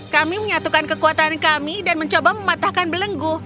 kami menyatukan kekuatan kami dan mencoba mematahkan belenggu